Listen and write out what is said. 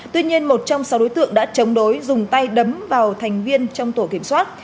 tuy nhiên một trong sáu đối tượng đã chống đối dùng tay đấm vào thành viên trong tổ kiểm soát